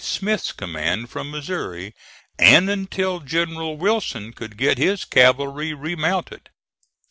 Smith's command from Missouri, and until General Wilson could get his cavalry remounted.